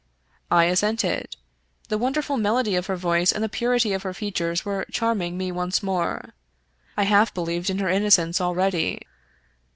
I assented. The wonderful melody of her voice and the purity pf her features were charming me once more. I half believed in her innocence already.